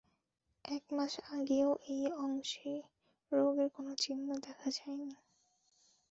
একমাস আগেও এই অংশে রোগের কোনো চিহ্ন দেখা যায়নি।